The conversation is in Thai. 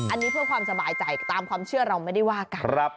อันนี้เพื่อความสบายใจตามความเชื่อเราไม่ได้ว่ากัน